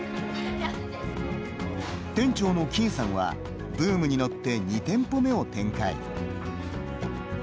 店長の金さんはブームに乗って２店舗目を展開。